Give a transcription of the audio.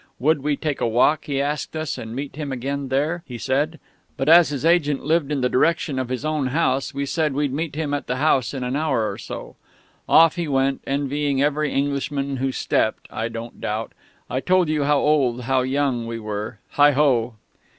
Would we take a walk, he asked us, and meet him again there? he said.... But as his agent lived in the direction of his own home, we said we'd meet him at the house in an hour or so. Off he went, envying every Englishman who stepped, I don't doubt.... I told you how old how young we were.... Heigho!...